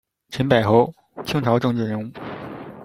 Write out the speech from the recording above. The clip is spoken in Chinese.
陈柏候，清朝政治人物。